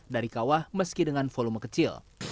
dari kawah meski dengan volume kecil